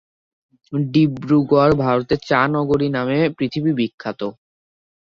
ডিব্রুগড় "ভারতের চা নগরী" নামে পৃথিবী বিখ্যাত।